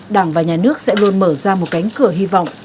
đảng và nhà nước sẽ luôn mở ra một cánh cửa hy vọng